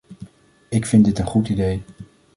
Ik vind dit een goed idee.